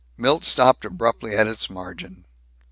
Milt stopped abruptly at its margin.